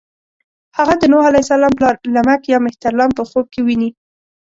هغه د نوح علیه السلام پلار لمک یا مهترلام په خوب کې ويني.